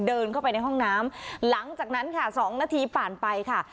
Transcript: เดินเข้าไปในห้องน้ำหลังจากนั้นค่ะ๒นาทีผ่านไปค่ะ